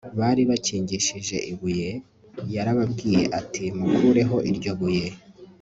bari bakingishije ibuye Yarababwiye ati mukureho iryo buye